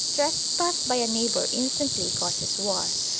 Trespass by a neighbour instantly causes war.